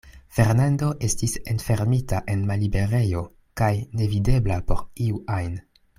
Fernando estis enfermita en malliberejo, kaj nevidebla por iu ajn.